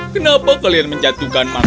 kenapa kalian menjatuhkan makanan